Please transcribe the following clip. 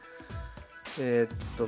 えっと９。